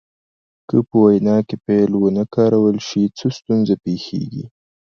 که په وینا کې فعل ونه کارول شي څه ستونزه پیښیږي.